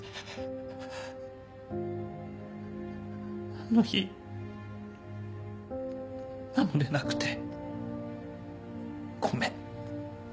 あの日守れなくてごめん